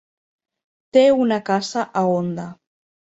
Té una casa a Onda.